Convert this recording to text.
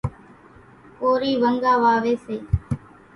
ڪورِي ونڳا واويَ سي۔